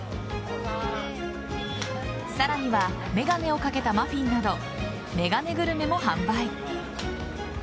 さらには眼鏡をかけたマフィンなどめがねグルメも販売。